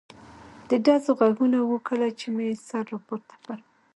د ډزو غږونه و، کله چې مې سر را پورته کړ.